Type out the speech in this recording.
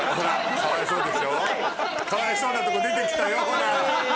かわいそうなとこ出てきたよほら！